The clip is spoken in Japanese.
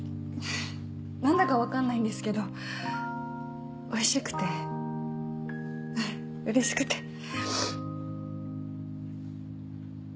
何だか分かんないんですけどおいしくてうれしくて。